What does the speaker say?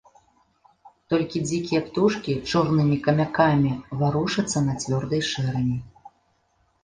Толькі дзікія птушкі чорнымі камякамі варушацца на цвёрдай шэрані.